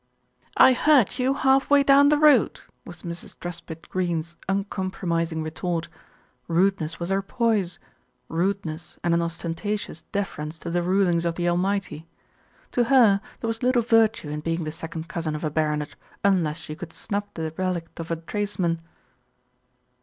"I heard you half way down the road," was Mrs. Truspitt Greene's uncompromising retort. Rudeness was her pose, rudeness and an ostentatious deference to the rulings of the Almighty. To her there was little virtue in being the second cousin of a baronet, unless you could snub the relict of a tradesman.